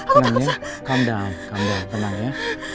tenang ya tenang ya tenang ya